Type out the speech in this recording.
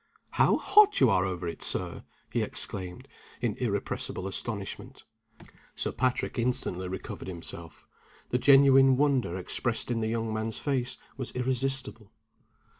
"How hot you are over it, Sir!" he exclaimed, in irrepressible astonishment. Sir Patrick instantly recovered himself. The genuine wonder expressed in the young man's face was irresistible.